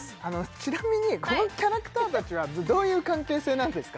ちなみにこのキャラクターたちはどういう関係性なんですか？